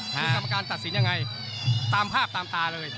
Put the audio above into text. คือกรรมการตัดสินยังไงตามภาพตามตาเลย